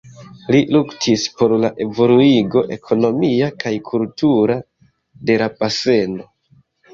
Li luktis por la evoluigo ekonomia kaj kultura de la baseno.